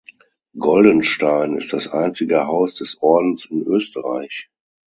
Goldenstein ist das einzige Haus des Ordens in Österreich.